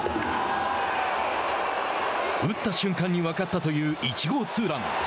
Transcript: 打った瞬間に分かったという１号ツーラン。